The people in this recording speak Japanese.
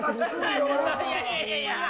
いやいやいや。